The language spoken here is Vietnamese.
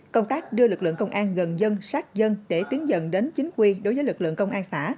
công tác đưa lực lượng công an gần dân sát dân để tiến dần đến chính quy đối với lực lượng công an xã